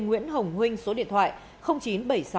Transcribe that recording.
nguyễn hồng huynh số điện thoại